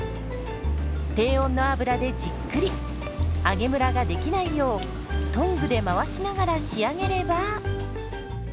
低温の油でじっくり揚げむらができないようトングで回しながら仕上げれば。